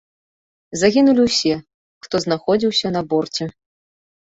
Загінулі ўсе, хто знаходзіўся на борце.